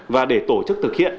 và để tổ chức thực hiện